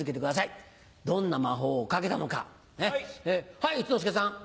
はい一之輔さん。